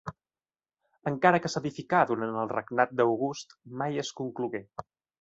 Encara que s'edificà durant el regnat d'August, mai es conclogué.